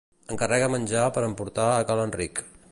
Encarrega menjar per emportar a Ca l'Enric.